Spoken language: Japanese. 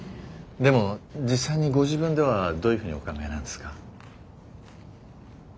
でも実際にご自分ではどういうふうにお考えなんですか？